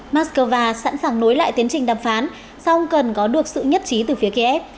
moscow sẵn sàng nối lại tiến trình đàm phán song cần có được sự nhất trí từ phía kiev